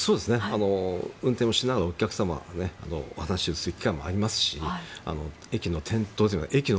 運転をしながらお客様と話をする機会もあります